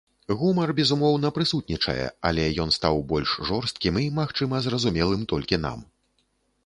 Гумар, безумоўна, прысутнічае, але ён стаў больш жорсткім і, магчыма, зразумелым толькі нам.